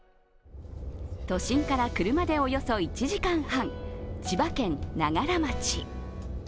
都心から車でおよそ１時間半、千葉県長柄町。